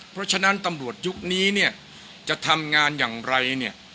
เพราะฉะนั้นตำรวจยุคนี้จะทำงานอย่างไร